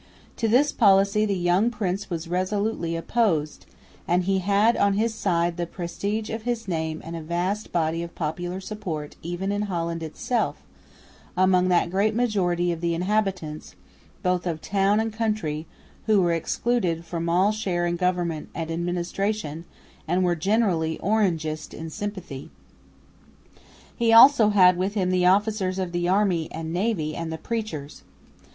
To this policy the young prince was resolutely opposed, and he had on his side the prestige of his name and a vast body of popular support even in Holland itself, among that great majority of the inhabitants, both of town and country, who were excluded from all share in government and administration and were generally Orangist in sympathy. He had also with him the officers of the army and navy and the preachers.